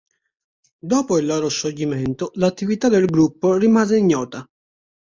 Dopo il loro scioglimento, l'attività del gruppo rimase ignota.